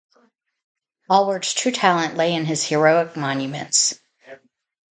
Allward's true talent lay in his heroic monuments.